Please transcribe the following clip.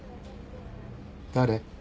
誰？